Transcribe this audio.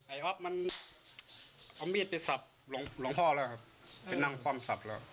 อ๊อฟมันเอามีดไปสับหลวงพ่อแล้วครับไปนั่งความสับแล้ว